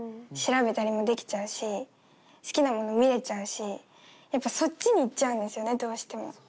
調べたりもできちゃうし好きなもの見れちゃうしやっぱそっちに行っちゃうんですよねどうしても。